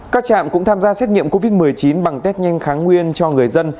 các trạm cũng tham gia xét nghiệm covid một mươi chín bằng test nhanh kháng nguyên cho người dân